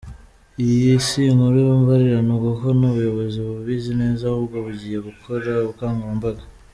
Iyi si inkuru mbarirano kuko n’ubuyobozi bubizi neza ahubwo bugiye gukora ubukangurambaga.